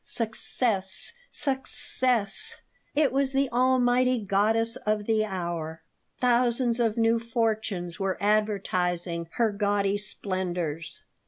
Success! Success! It was the almighty goddess of the hour. Thousands of new fortunes were advertising her gaudy splendors.